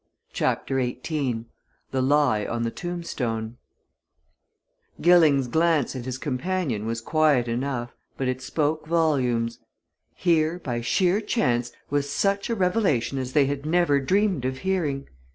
CHAPTER XVIII THE LIE ON THE TOMBSTONE Gilling's glance at his companion was quiet enough, but it spoke volumes. Here, by sheer chance, was such a revelation as they had never dreamed of hearing!